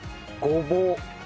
ごぼう。